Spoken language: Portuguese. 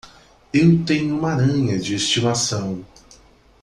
Eu tenho uma aranha de estimação.